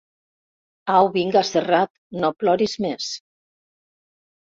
Au vinga, Serrat, no ploris més.